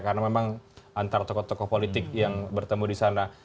karena memang antara tokoh tokoh politik yang bertemu di sana